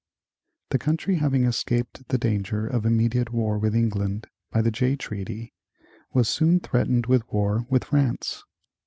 The country having escaped the danger of immediate war with England by the Jay treaty, was soon threatened with war with France.